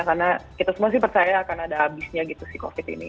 karena kita semua sih percaya akan ada abisnya gitu sih covid ini